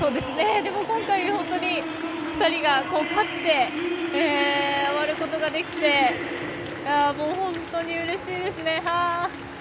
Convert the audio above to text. でも、今回２人が勝って終わることができて本当にうれしいですね。